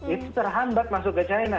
itu terhambat masuk ke china